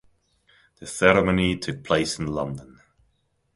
The ceremony took place in London.